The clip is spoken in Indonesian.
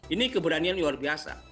ini keberanian luar biasa